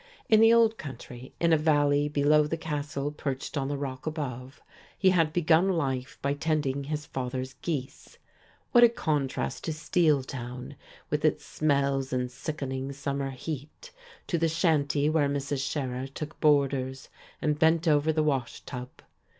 In the old country, in a valley below the castle perched on the rack above, he had begun life by tending his father's geese. What a contrast to "Steeltown" with its smells and sickening summer heat, to the shanty where Mrs. Scherer took boarders and bent over the wash tub!